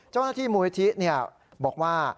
เจ้าหน้าที่มูลนิธิบอกว่า